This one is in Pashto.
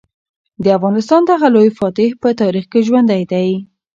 د افغانستان دغه لوی فاتح په تاریخ کې ژوندی دی.